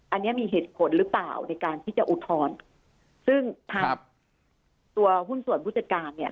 อันนี้มีเหตุผลหรือเปล่าในการที่จะอุทธรณ์ซึ่งทางตัวหุ้นส่วนผู้จัดการเนี่ย